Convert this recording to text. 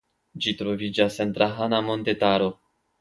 Ĝi troviĝas en Drahana montetaro.